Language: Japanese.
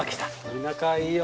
田舎はいいよ！